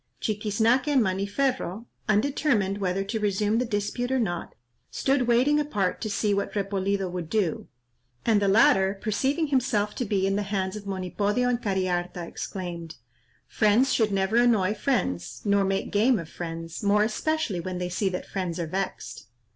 Chiquiznaque and Maniferro, undetermined whether to resume the dispute or not, stood waiting apart to see what Repolido would do, and the latter perceiving himself to be in the hands of Monipodio and Cariharta, exclaimed, "Friends should never annoy friends, nor make game of friends, more especially when they see that friends are vexed."